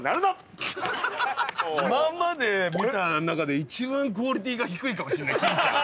今まで見た中で一番クオリティーが低いかもしれない欽ちゃん。